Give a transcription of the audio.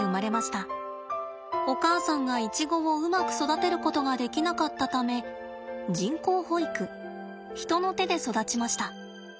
お母さんがイチゴをうまく育てることができなかったため人工哺育人の手で育ちました。